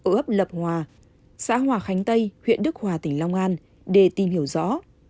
ở ấp lập hòa xã hòa khánh tây huyện đức hòa tỉnh long an để tìm hiểu rõ